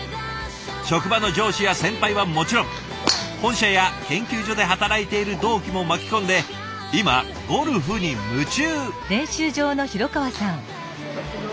職場の上司や先輩はもちろん本社や研究所で働いている同期も巻き込んで今ゴルフに夢中。